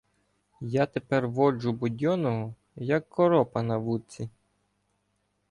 Я тепер воджу Будьонного як коропа на вудці.